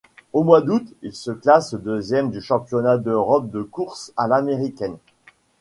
Au mois d'août, il se classe deuxième du championnat d'Europe de course à l'américaine.